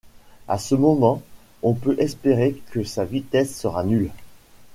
À ce moment, on peut espérer que sa vitesse sera nulle.